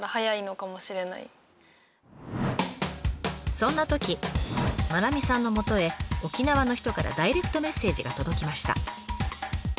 そんなとき真七水さんのもとへ沖縄の人からダイレクトメッセージが届きました。